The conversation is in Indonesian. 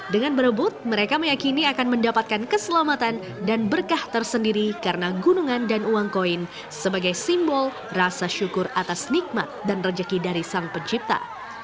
dengan berebut mereka meyakini akan mendapatkan keselamatan dan berkah tersendiri karena gunungan dan uang koin sebagai simbol rasa syukur atas nikmat dan rejeki dari sang pencipta